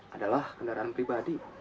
adalah kendaraan pribadi